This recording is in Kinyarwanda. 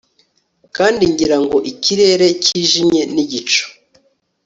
Kandi ngira ngo ikirere cyijimye nigicu